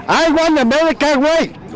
áo quần tôi mặc ở đây mây việt nam